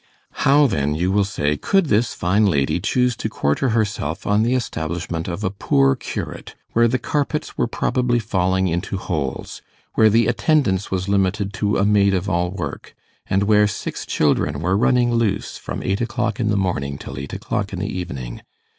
How then, you will say, could this fine lady choose to quarter herself on the establishment of a poor curate, where the carpets were probably falling into holes, where the attendance was limited to a maid of all work, and where six children were running loose from eight o'clock in the morning till eight o'clock in the evening?